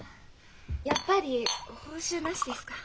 やっぱり報酬なしですか。